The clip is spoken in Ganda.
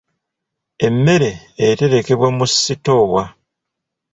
Emmere eterekebwa mu sitoowa.